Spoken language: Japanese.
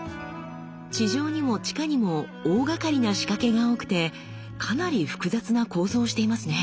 地上にも地下にも大がかりな仕掛けが多くてかなり複雑な構造をしていますね。